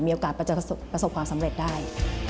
มีโอกาสประสบความสำเร็จได้